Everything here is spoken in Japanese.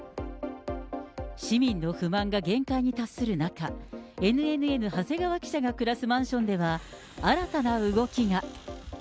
市民の不満が限界に達する中、ＮＮＮ、長谷川記者が暮らすマンションでは、新たな動きが。